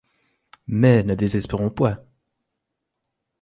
Mais ne désespérons point.